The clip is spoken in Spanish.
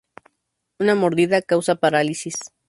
Una mordida causa parálisis.